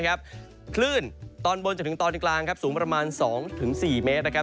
คลื่นตอนบนจนถึงตอนกลางสูงประมาณ๒๔เมตรนะครับ